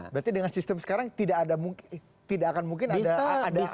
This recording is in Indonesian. berarti dengan sistem sekarang tidak akan mungkin ada